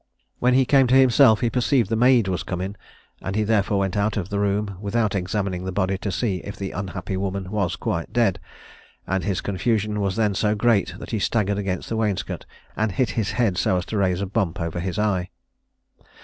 When he came to himself he perceived the maid was come in, and he therefore went out of the room without examining the body to see if the unhappy woman was quite dead; and his confusion was then so great that he staggered against the wainscot, and hit his head so as to raise a bump over his eye.